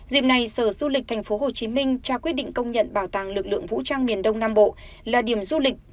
dịp này sở du lịch tp hcm trao quyết định công nhận bảo tàng lực lượng vũ trang miền đông nam bộ là điểm du lịch